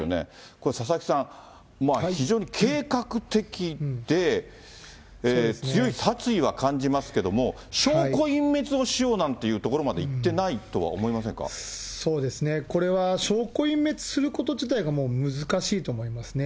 これ佐々木さん、非常に計画的で、強い殺意は感じますけども、証拠隠滅をしようなんていうところまでいってないとは思いませんそうですね、これは証拠隠滅すること自体が、もう難しいと思いますね。